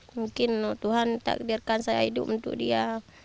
mungkin tuhan takbirkan saya hidup untuk dia